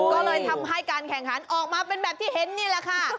ก็เลยทำให้การแข่งขันออกมาเป็นแบบที่เห็นนี่แหละค่ะ